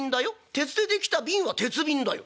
鉄で出来た瓶は鉄瓶だよ」。